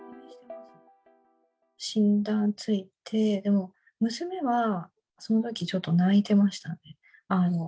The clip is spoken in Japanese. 診断がついて、でも娘はそのときちょっと泣いてましたね。